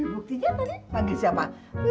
buktinya tadi panggil siapa